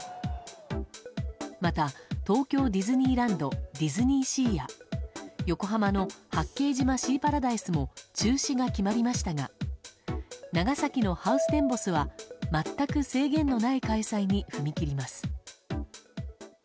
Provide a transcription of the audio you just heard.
また、東京ディズニーランド・ディズニーシーや横浜の八景島シーパラダイスも中止が決まりましたが長崎のハウステンボスは全く制限のない開催に踏み切ります。